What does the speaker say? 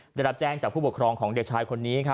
ได้รับแจ้งจากผู้ปกครองของเด็กชายคนนี้